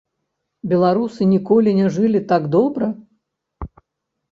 Беларусы ніколі не жылі так добра?